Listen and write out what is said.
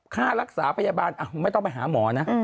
ค่ารักษาพยาบาลไม่ต้องไปหาหมอนะ